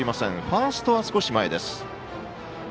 ファーストは少し前です。